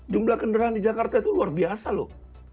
jumlah kendaraan di jakarta itu luar biasa loh